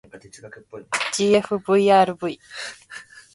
ｇｆｖｒｖ